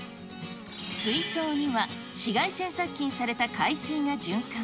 水槽には紫外線殺菌された海水が循環。